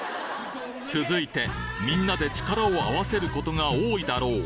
続いてみんなで力を合わせることが多いだろう